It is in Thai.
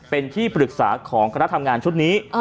เป็นที่ปรึกษาของคณะทำงานชุดนี้